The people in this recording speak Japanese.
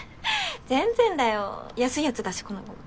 全然だよ安いやつだしこのゴム。